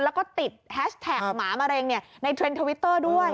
แล้วก็ติดแฮชแท็กหมามะเร็งในเทรนด์ทวิตเตอร์ด้วย